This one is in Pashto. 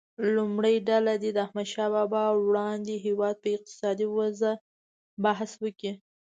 لومړۍ ډله دې د احمدشاه بابا وړاندې هیواد په اقتصادي وضعه بحث وکړي.